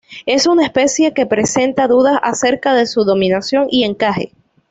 Es una especie que presenta dudas acerca de su denominación y encaje.